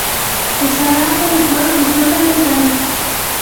په سارا پورې ګل مښتی دی.